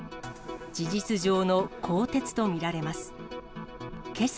事実上の更迭と見られます。